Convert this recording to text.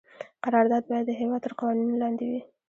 قرارداد باید د هیواد تر قوانینو لاندې وي.